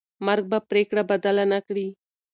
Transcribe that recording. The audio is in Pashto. مرګ به پرېکړه بدله نه کړي.